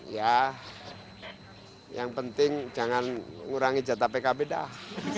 ya yang penting jangan ngurangi jatah pkb dah